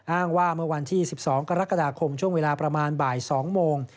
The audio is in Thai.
อ้างว่าเมื่อวันที่๑๒กรกฎาคมช่วงเวลาประมาณบ่าย๒โมง